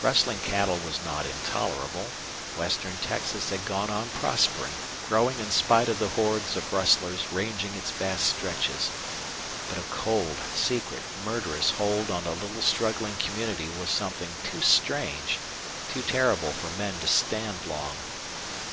Rustling cattle was not intolerable. Western Texas had gone on prospering, growing in spite of the hordes of rustlers ranging its vast stretches; but a cold, secret, murderous hold on a little struggling community was something too strange, too terrible for men to stand long.